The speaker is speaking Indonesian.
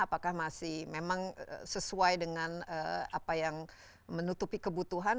apakah masih memang sesuai dengan apa yang menutupi kebutuhan